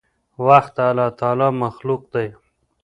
وخت د الله تعالي مخلوق دی.